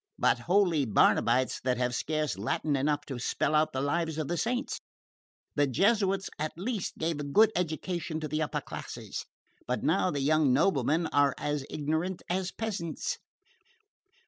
But holy Barnabites that have scarce Latin enough to spell out the Lives of the Saints! The Jesuits at least gave a good education to the upper classes; but now the young noblemen are as ignorant as peasants."